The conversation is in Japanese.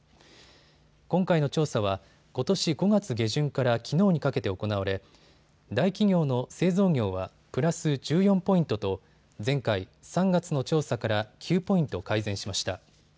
今回の調査はことし５月下旬からきのうにかけて行われ大企業の製造業はプラス１４ポイントと前回３月の調査から９ポイント改善しました。